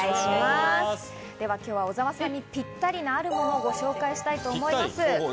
今日は小澤さんにぴったりなあるものをご紹介したいと思います。